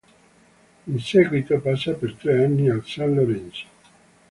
In seguito passa per tre anni al San Lorenzo.